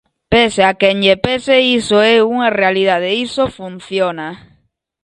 Pese a quen lle pese, iso é unha realidade, iso funciona.